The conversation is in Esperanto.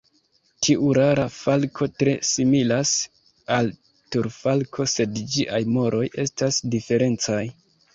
Tiu rara falko tre similas al Turfalko, sed ĝiaj moroj estas diferencaj.